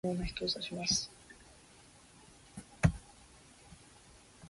少年よ神話になれ